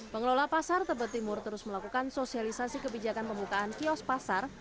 pengelola pasar tebet timur terus melakukan sosialisasi kebijakan pembukaan kios pasar